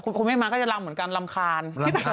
ไม่มีมากินก็จะลำกัน